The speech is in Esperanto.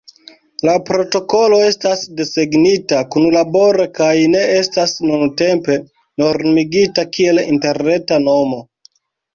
La protokolo estas desegnita kunlabore kaj ne estas nuntempe normigita kiel interreta normo.